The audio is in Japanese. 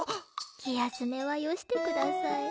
気休めはよしてください。